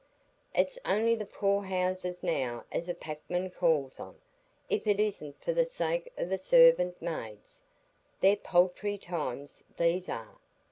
It's on'y the poor houses now as a packman calls on, if it isn't for the sake o' the sarvant maids. They're paltry times, these are.